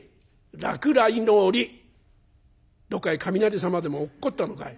「どっかへ雷様でも落っこったのかい？」。